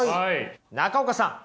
中岡さん。